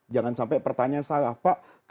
jangan sampai pertanyaan salah pak